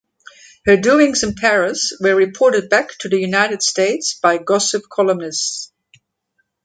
Her doings in Paris were reported back to the United States by gossip columnists.